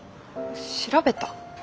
調べた？